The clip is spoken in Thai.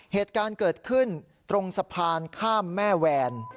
เหตุการณ์เกิดขึ้นตรงสะพานข้ามแม่แวน